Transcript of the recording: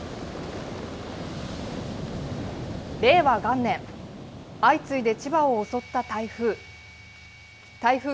令和元年相次いで千葉を襲った台風。